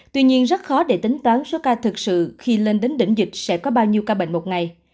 tuy nhiên rất khó để tính toán số ca thực sự khi lên đến đỉnh dịch sẽ có bao nhiêu ca bệnh một ngày